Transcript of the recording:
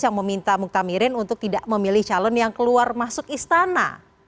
yang meminta muktamirin untuk tidak memilih calon yang keluar masuk istana